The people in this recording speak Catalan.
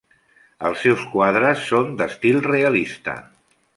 Els seus quadres són d'estil realista.